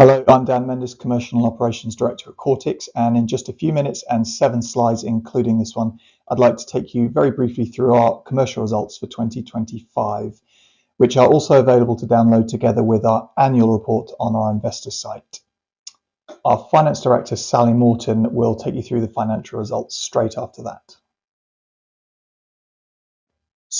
Hello, I'm Dan Mendis, Commercial and Operations Director at Quartix, and in just a few minutes and seven slides, including this one, I'd like to take you very briefly through our commercial results for 2025, which are also available to download together with our annual report on our investor site. Our Finance Director, Sally Morton, will take you through the financial results straight after that.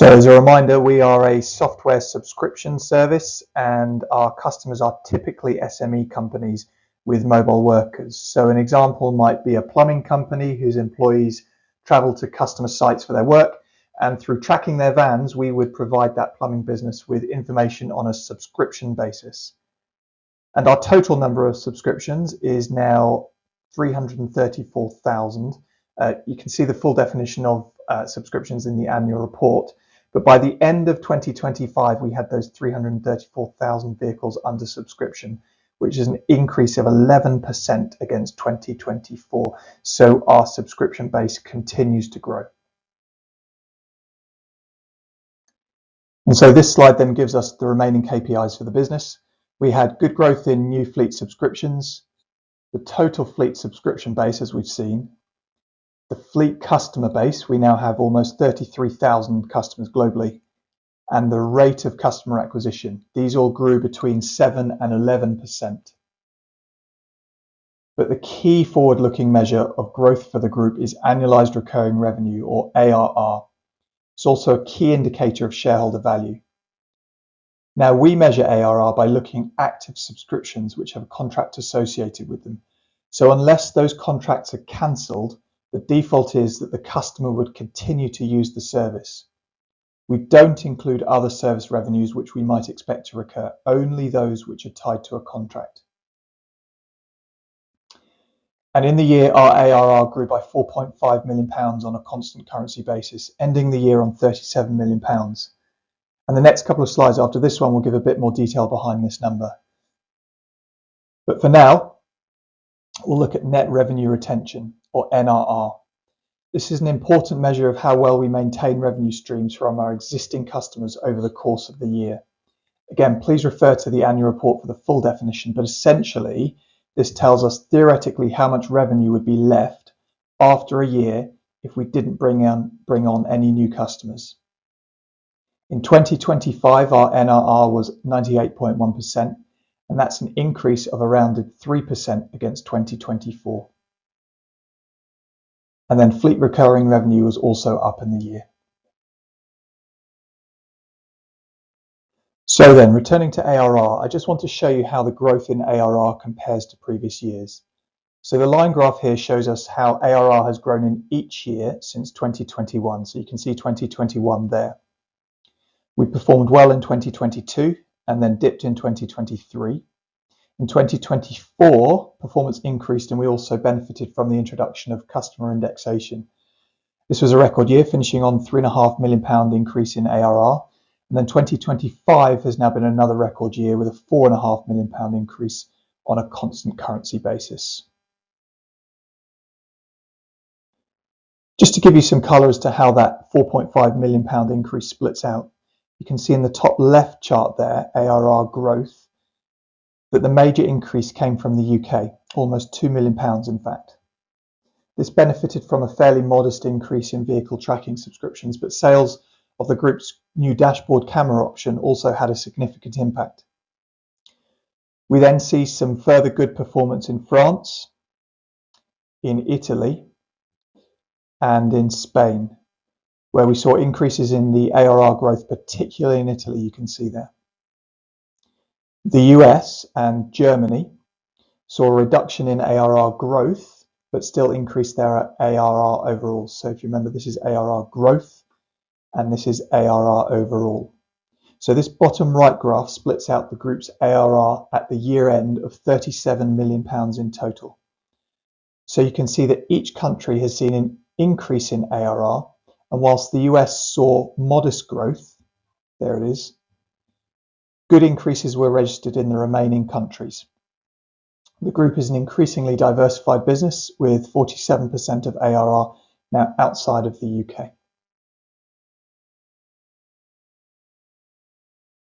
As a reminder, we are a software subscription service, and our customers are typically SME companies with mobile workers. An example might be a plumbing company whose employees travel to customer sites for their work, and through tracking their vans, we would provide that plumbing business with information on a subscription basis. Our total number of subscriptions is now 334,000. You can see the full definition of subscriptions in the annual report. By the end of 2025, we had those 334,000 vehicles under subscription, which is an increase of 11% against 2024. Our subscription base continues to grow. This slide then gives us the remaining KPIs for the business. We had good growth in new fleet subscriptions, the total fleet subscription base, as we've seen, the fleet customer base, we now have almost 33,000 customers globally, and the rate of customer acquisition. These all grew between 7%-11%. The key forward-looking measure of growth for the group is Annualized Recurring Revenue, or ARR. It's also a key indicator of shareholder value. Now, we measure ARR by looking at active subscriptions which have a contract associated with them. Unless those contracts are canceled, the default is that the customer would continue to use the service. We don't include other service revenues which we might expect to recur, only those which are tied to a contract. In the year, our ARR grew by 4.5 million pounds on a constant currency basis, ending the year on 37 million pounds. The next couple of slides after this one will give a bit more detail behind this number. For now, we'll look at Net Revenue Retention, or NRR. This is an important measure of how well we maintain revenue streams from our existing customers over the course of the year. Again, please refer to the annual report for the full definition, but essentially, this tells us theoretically how much revenue would be left after a year if we didn't bring on any new customers. In 2025, our NRR was 98.1%, and that's an increase of around 3% against 2024. Fleet recurring revenue was also up in the year. Returning to ARR, I just want to show you how the growth in ARR compares to previous years. The line graph here shows us how ARR has grown in each year since 2021. You can see 2021 there. We performed well in 2022 and then dipped in 2023. In 2024, performance increased, and we also benefited from the introduction of customer indexation. This was a record year, finishing on 3.5 million pound increase in ARR. 2025 has now been another record year with a 4.5 million pound increase on a constant currency basis. Just to give you some color as to how that 4.5 million pound increase splits out, you can see in the top left chart there, ARR growth, that the major increase came from the U.K., almost 2 million pounds, in fact. This benefited from a fairly modest increase in vehicle tracking subscriptions, but sales of the group's new dashboard camera option also had a significant impact. We then see some further good performance in France, in Italy, and in Spain, where we saw increases in the ARR growth, particularly in Italy, you can see there. The U.S. and Germany saw a reduction in ARR growth, but still increased their ARR overall. If you remember, this is ARR growth, and this is ARR overall. This bottom right graph splits out the group's ARR at the year-end of 37 million pounds in total. You can see that each country has seen an increase in ARR, and whilst the U.S. saw modest growth, there it is, good increases were registered in the remaining countries. The group is an increasingly diversified business with 47% of ARR now outside of the U.K.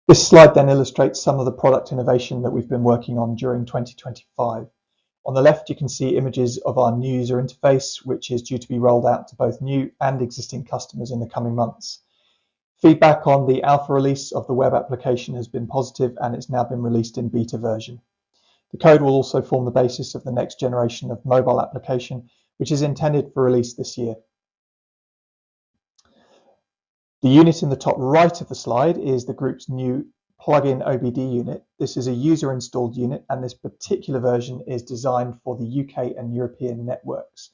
This slide illustrates some of the product innovation that we've been working on during 2025. On the left, you can see images of our new user interface, which is due to be rolled out to both new and existing customers in the coming months. Feedback on the alpha release of the web application has been positive, and it's now been released in beta version. The code will also form the basis of the next generation of mobile application, which is intended for release this year. The unit in the top right of the slide is the group's new Plug in an OBD unit. This is a user-installed unit, and this particular version is designed for the U.K. and European networks.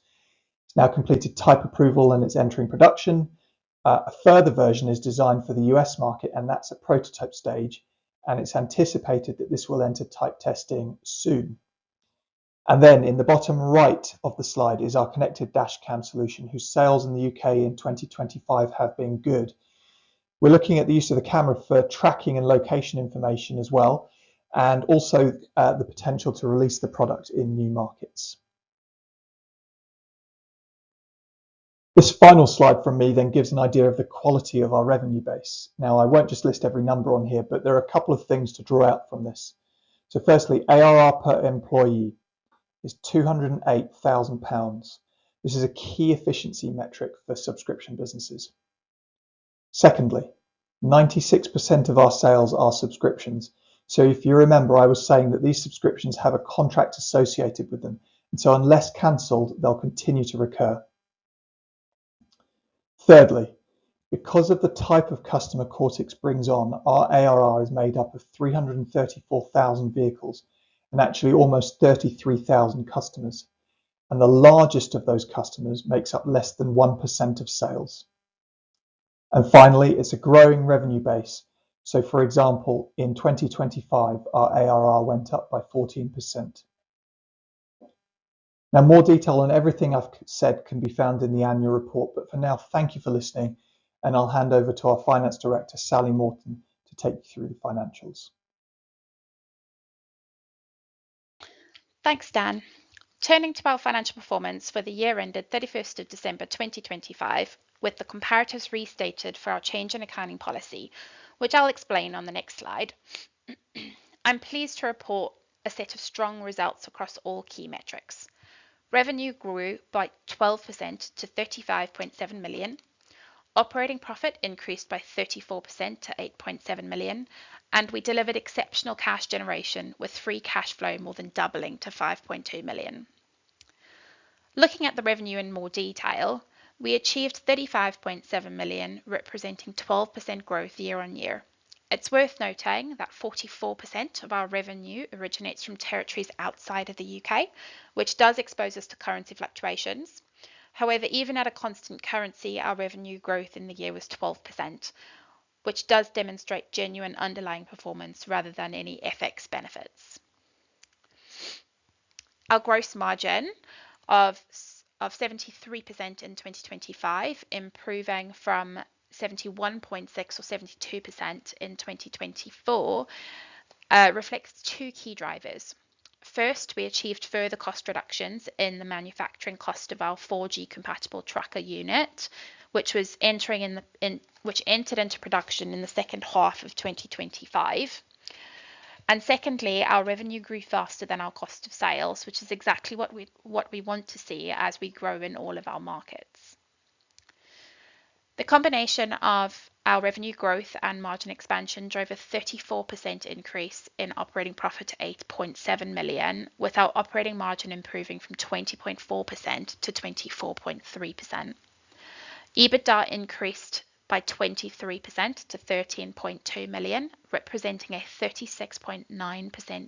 It's now completed type approval, and it's entering production. A further version is designed for the U.S. market, and that's at prototype stage, and it's anticipated that this will enter type testing soon. In the bottom right of the slide is our connected dash cam solution, whose sales in the U.K. in 2025 have been good. We're looking at the use of the camera for tracking and location information as well, and also, the potential to release the product in new markets. This final slide from me then gives an idea of the quality of our revenue base. I won't just list every number on here, but there are a couple of things to draw out from this. Firstly, ARR per employee is 208,000 pounds. This is a key efficiency metric for subscription businesses. Secondly, 96% of our sales are subscriptions. If you remember, I was saying that these subscriptions have a contract associated with them, and so unless canceled, they'll continue to recur. Thirdly, because of the type of customer Quartix brings on, our ARR is made up of 334,000 vehicles and actually almost 33,000 customers. The largest of those customers makes up less than 1% of sales. Finally, it's a growing revenue base. For example, in 2025, our ARR went up by 14%. Now, more detail on everything I've said can be found in the annual report, but for now, thank you for listening, and I'll hand over to our Finance Director, Sally Morton, to take you through the financials. Thanks, Dan. Turning to our financial performance for the year ended 31st December 2025, with the comparatives restated for our change in accounting policy, which I'll explain on the next slide. I'm pleased to report a set of strong results across all key metrics. Revenue grew by 12% to 35.7 million. Operating profit increased by 34% to 8.7 million, and we delivered exceptional cash generation with free cash flow more than doubling to 5.2 million. Looking at the revenue in more detail, we achieved 35.7 million, representing 12% growth year-on-year. It's worth noting that 44% of our revenue originates from territories outside of the U.K., which does expose us to currency fluctuations. However, even at a constant currency, our revenue growth in the year was 12%, which does demonstrate genuine underlying performance rather than any FX benefits. Our gross margin of 73% in 2025, improving from 71.6% or 72% in 2024, reflects two key drivers. First, we achieved further cost reductions in the manufacturing cost of our 4G compatible tracker unit, which entered into production in the second half of 2025. Secondly, our revenue grew faster than our cost of sales, which is exactly what we want to see as we grow in all of our markets. The combination of our revenue growth and margin expansion drove a 34% increase in operating profit to 8.7 million, with our operating margin improving from 20.4% to 24.3%. EBITDA increased by 23% to 13.2 million, representing a 36.9%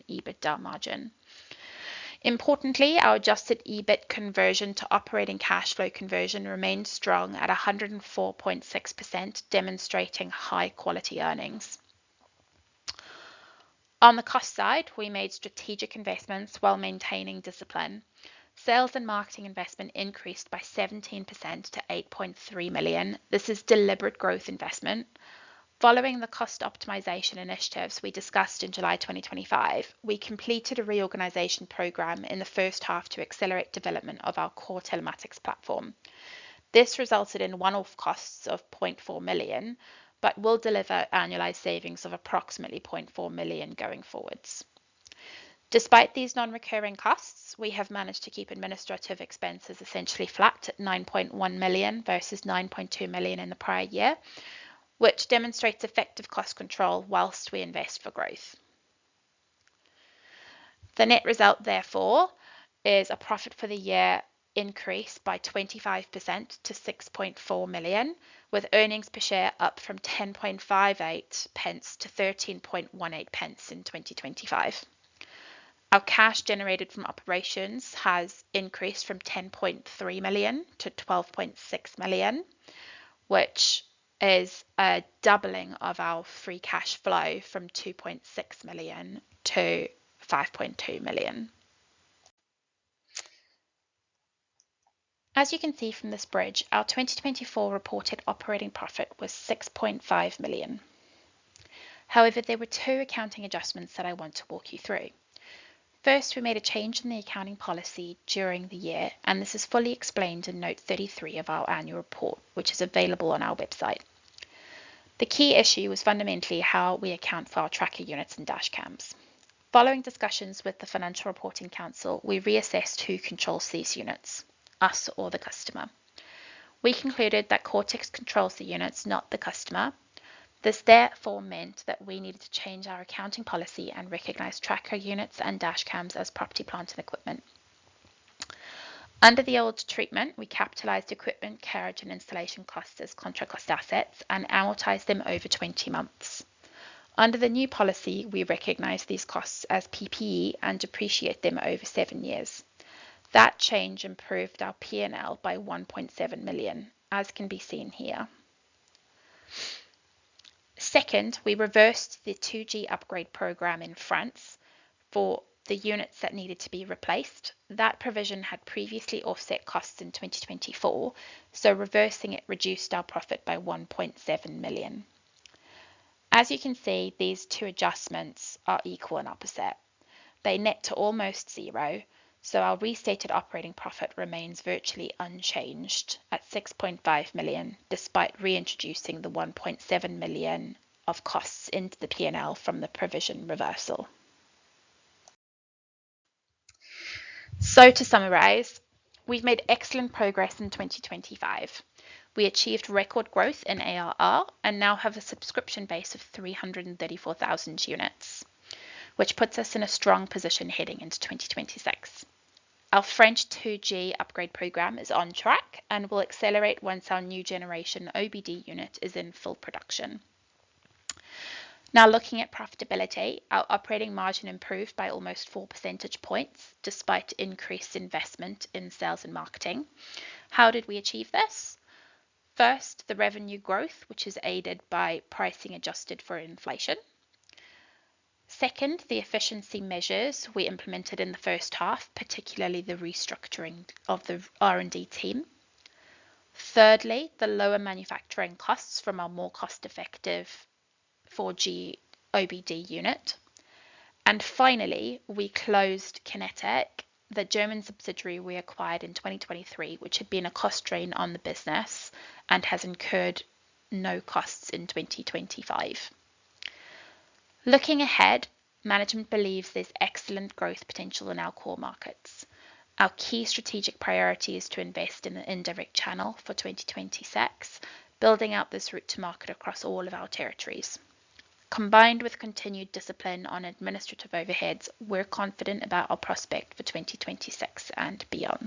EBITDA margin. Importantly, our adjusted EBIT conversion to operating cash flow conversion remained strong at 104.6%, demonstrating high quality earnings. On the cost side, we made strategic investments while maintaining discipline. Sales and marketing investment increased by 17% to 8.3 million. This is deliberate growth investment. Following the cost optimization initiatives we discussed in July 2025, we completed a reorganization program in the first half to accelerate development of our core telematics platform. This resulted in one-off costs of 0.4 million, but will deliver annualized savings of approximately 0.4 million going forward. Despite these non-recurring costs, we have managed to keep administrative expenses essentially flat at 9.1 million versus 9.2 million in the prior year, which demonstrates effective cost control while we invest for growth. The net result, therefore, is a profit for the year increased by 25% to 6.4 million, with earnings per share up from 10.58 to 13.18 in 2025. Our cash generated from operations has increased from 10.3 million to 12.6 million, which is a doubling of our free cash flow from 2.6 million to 5.2 million. As you can see from this bridge, our 2024 reported operating profit was 6.5 million. However, there were two accounting adjustments that I want to walk you through. First, we made a change in the accounting policy during the year, and this is fully explained in note 33 of our annual report, which is available on our website. The key issue is fundamentally how we account for our tracker units and dash cams. Following discussions with the Financial Reporting Council, we reassessed who controls these units, us or the customer. We concluded that Quartix controls the units, not the customer. This therefore meant that we needed to change our accounting policy and recognize tracker units and dash cams as property, plant and equipment. Under the old treatment, we capitalized equipment, carriage, and installation costs as contract cost assets and amortized them over 20 months. Under the new policy, we recognize these costs as PPE and depreciate them over seven years. That change improved our P&L by 1.7 million, as can be seen here. Second, we reversed the 2G upgrade program in France for the units that needed to be replaced. That provision had previously offset costs in 2024, so reversing it reduced our profit by 1.7 million. As you can see, these two adjustments are equal and opposite. They net to almost zero, so our restated operating profit remains virtually unchanged at 6.5 million, despite reintroducing the 1.7 million of costs into the P&L from the provision reversal. To summarize, we've made excellent progress in 2025. We achieved record growth in ARR and now have a subscription base of 334,000 units, which puts us in a strong position heading into 2026. Our French 2G upgrade program is on track and will accelerate once our new generation OBD unit is in full production. Now looking at profitability, our operating margin improved by almost 4 percentage points despite increased investment in sales and marketing. How did we achieve this? First, the revenue growth, which is aided by pricing adjusted for inflation. Second, the efficiency measures we implemented in the first half, particularly the restructuring of the R&D team. Thirdly, the lower manufacturing costs from our more cost-effective 4G OBD unit. Finally, we closed Konetik, the German subsidiary we acquired in 2023, which had been a cost drain on the business and has incurred no costs in 2025. Looking ahead, management believes there's excellent growth potential in our core markets. Our key strategic priority is to invest in the indirect channel for 2026, building out this route to market across all of our territories. Combined with continued discipline on administrative overheads, we're confident about our prospects for 2026 and beyond.